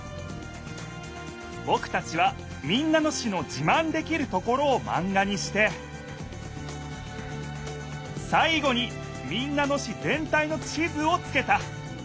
ぼくたちは民奈野市のじまんできるところをマンガにしてさい後に民奈野市ぜん体の地図をつけた。